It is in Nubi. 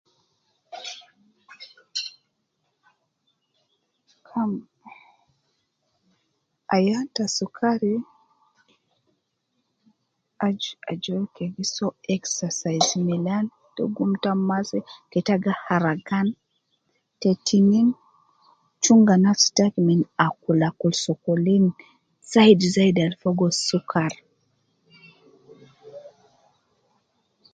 Kam eh ayan ta sukari aju ajol kede gi soo exercise milan te gum ta masi keta gi haragan te tinin chunga nafsi taki min akul akul sokolin zaidi zaidi al fogo sukar